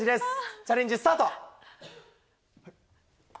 チャレンジスタート。